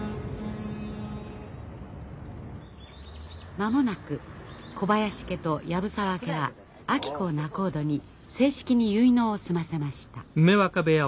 間もなく小林家と藪沢家は明子を仲人に正式に結納を済ませました。